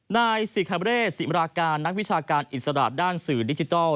ในสิกฮาเบอร์เลสสิมราการนักวิชาการอิสระด้านสื่อดิจิตอล